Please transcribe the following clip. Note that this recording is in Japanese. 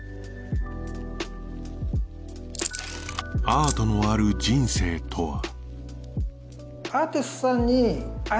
アートのある人生とは？